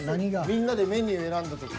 みんなでメニュ―選んだ時。